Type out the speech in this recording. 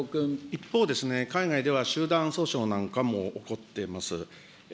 一方、海外では集団訴訟なんかも起こってます。